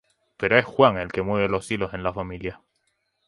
Pero es Juan el que mueve los hilos en la familia.